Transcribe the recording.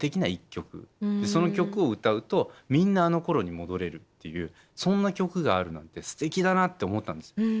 その曲を歌うとみんなあのころに戻れるっていうそんな曲があるなんてすてきだなって思ったんですよ。